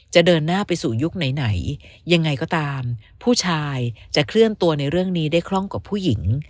เดินหน้าไปสู่ยุคไหนยังไงก็ตามผู้ชายจะเคลื่อนตัวในเรื่องนี้ได้คล่องกว่าผู้หญิง